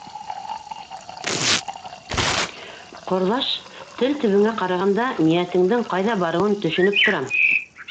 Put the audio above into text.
— Ҡорҙаш, тел төбөңә ҡарағанда, ниәтеңдең ҡайҙа барыуын төшөнөп торам.